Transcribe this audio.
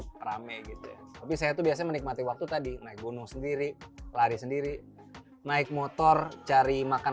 rame gitu tapi saya tuh biasanya menikmati waktu tadi naik gunung sendiri lari sendiri naik motor cari makan